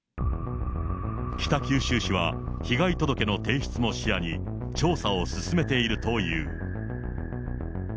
北九州市は、被害届の提出も視野に、調査を進めているという。